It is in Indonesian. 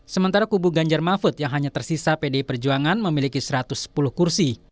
sementara kubu ganjar mahfud yang hanya tersisa pdi perjuangan memiliki satu ratus sepuluh kursi